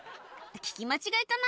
聞き間違えかな？